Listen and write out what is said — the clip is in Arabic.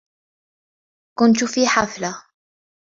كنت في حفلة.